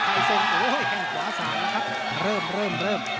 ขวา๓นะครับเริ่มเริ่มเริ่ม